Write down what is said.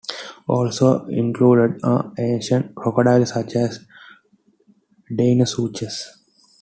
Also included are ancient crocodiles such as "Deinosuchus".